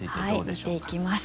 見ていきます。